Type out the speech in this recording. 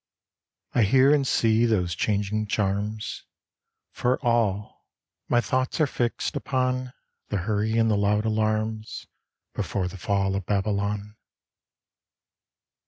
I hear and see those changing charms. For all — my thoughts are fixed upon The hurry and the loud alarms Before the fall of Babylon.